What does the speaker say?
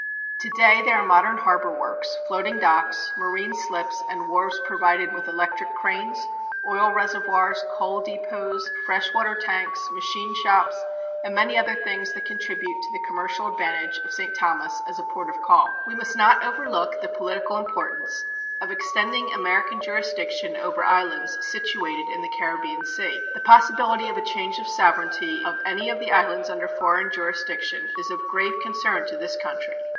Today there are modern harbor works, floating docks, marine slips and wharves provided with electric cranes, oil reservoirs, coal depots, fresh water tanks, machine shops, and many other things that contribute to the commercial advantage of St. Thomas as a port of call. We must not overlook the political importance of extending American jurisdiction over islands situated in the Caribbean Sea. The possibility of a change of sovereignty of any of the islands under foreign jurisdiction is of grave concern to this country.